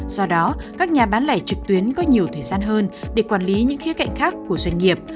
do đó các nhà bán lẻ trực tuyến có nhiều thời gian hơn để quản lý những khía cạnh khác của doanh nghiệp